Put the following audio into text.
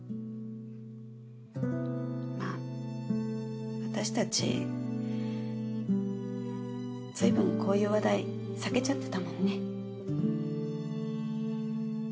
まぁ私たちずいぶんこういう話題避けちゃってたもんね。